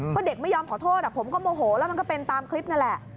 เพราะเด็กไม่ยอมขอโทษผมก็โมโหแล้วมันก็เป็นตามคลิปนั่นแหละ